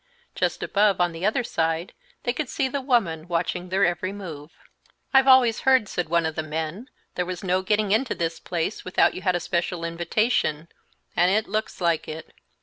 Just above, on the other side, they could see the woman watching their every move. "I've always heard," said one of the men, "there was no getting into this place without you had a special invitation, and it looks like it.